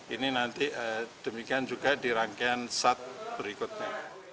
ini nanti demikian juga di rangkaian sat berikutnya